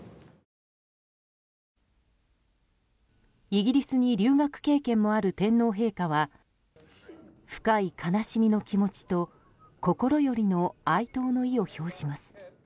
イギリスに留学経験もある天皇陛下は深い悲しみの気持ちと心よりの哀悼の意を表します。